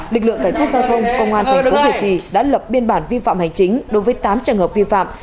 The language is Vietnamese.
lực lượng cảnh sát giao thông công an thành phố việt trì đã lập biên bản vi phạm hành chính đối với tám trường hợp vi phạm